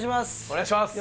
お願いします